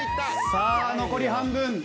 さあ残り半分。